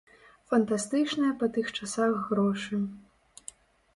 Фантастычныя па тых часах грошы.